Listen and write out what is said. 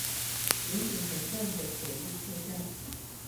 仁井田站的铁路车站。